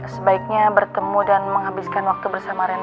sebaiknya bertemu dan menghabiskan waktu bersama rena